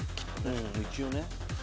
一応ね。